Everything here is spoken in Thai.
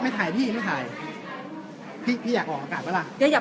ไม่ถ่ายพี่ไม่ถ่ายพี่พี่อยากออกอากาศไหมล่ะเจ๊อยาก